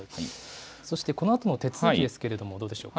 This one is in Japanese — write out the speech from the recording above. そして、このあとの手続きですけれども、どうでしょうか。